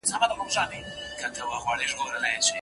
هغه کسان چي کتاب لولي د ژوند له ستونزو سره ښه مقابله کولای سي.